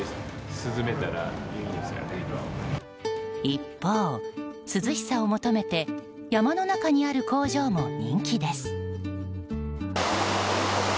一方、涼しさを求めて山の中にある工場も人気です。